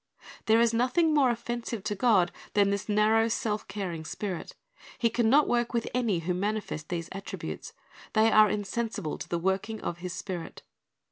There is nothing more offensive to God than this narrow, self caring spirit. He can not work with any who manifest these attributes. They are insensible to the working of His Spirit.